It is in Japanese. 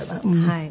はい。